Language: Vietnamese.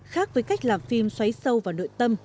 khác với cách làm phim xoáy sâu vào nội tâm